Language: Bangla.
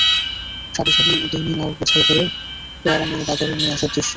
সারি সারি ডিঙি নাও বোঝাই করে পেয়ারা নিয়ে বাজারে নিয়ে আসার দৃশ্য।